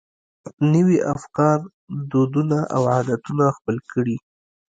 نوي افکار، دودونه او عادتونه خپل کړي.